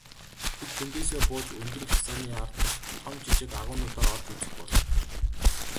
Тэд тэндээсээ бууж өндөр хясааны ар дахь том жижиг агуйнуудаар орж үзэх болов.